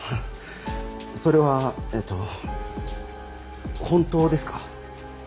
それはえっと本当ですか？